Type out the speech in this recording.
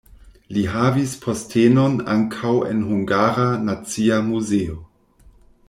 Li havis postenon ankaŭ en Hungara Nacia Muzeo.